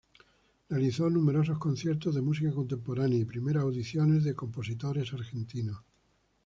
Realizó numerosos conciertos de música contemporánea y primeras audiciones de compositores argentinos.